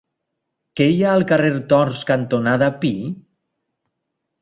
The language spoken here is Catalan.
Què hi ha al carrer Torns cantonada Pi?